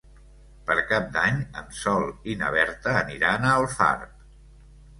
Per Cap d'Any en Sol i na Berta aniran a Alfarb.